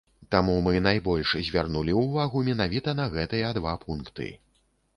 Таму мы найбольш звярнулі ўвагу менавіта на гэтыя два пункты.